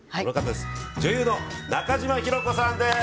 女優の中島ひろ子さんです。